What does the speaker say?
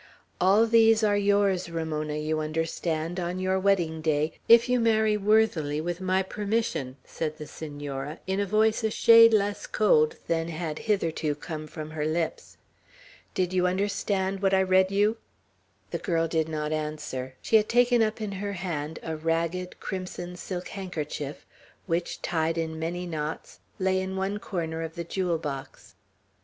"All these are yours, Ramona, you understand, on your wedding day, if you marry worthily, with my permission," said the Senora, in a voice a shade less cold than had hitherto come from her lips. "Did you understand what I read you?" The girl did not answer. She had taken up in her hand a ragged, crimson silk handkerchief, which, tied in many knots, lay in one corner of the jewel box.